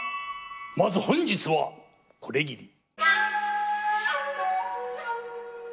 まず本日はこれぎり。